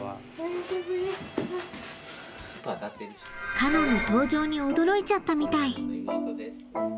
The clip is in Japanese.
カノンの登場に驚いちゃったみたい。